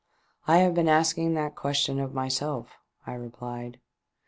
" I have been asking that question of myself," I replied.